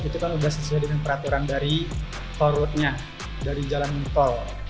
itu kan sudah sesuai dengan peraturan dari tol road nya dari jalan tol